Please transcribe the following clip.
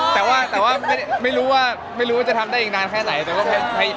แต่ว่าไม่รู้ว่าจะทำได้อีกนานแค่ไหน